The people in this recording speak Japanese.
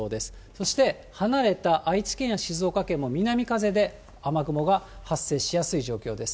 そして、離れた愛知県や静岡県も、南風で、雨雲が発生しやすい状況です。